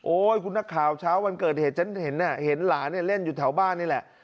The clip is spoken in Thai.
คุณนักข่าวเช้าวันเกิดเหตุฉันเห็นน่ะเห็นหลานเล่นอยู่แถวบ้านนี่แหละ